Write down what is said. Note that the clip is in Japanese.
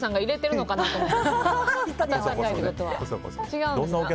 違うんですか。